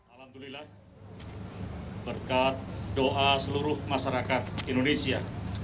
alhamdulillah berkat doa seluruh masyarakat indonesia